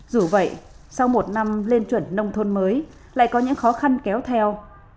dù vậy sau một năm lên chuẩn nông thôn mới lại có những khó khăn kéo theo